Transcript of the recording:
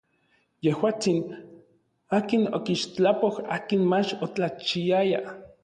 Yejuatsin, akin okixtlapoj akin mach otlachiaya.